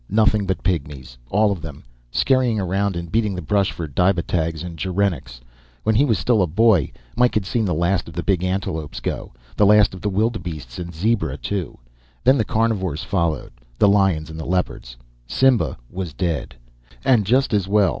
Nothing but pygmies, all of them, scurrying around and beating the brush for dibatags and gerenuks. When he was still a boy, Mike had seen the last of the big antelopes go; the last of the wildebeestes and zebra, too. Then the carnivores followed the lions and the leopards. Simba was dead, and just as well.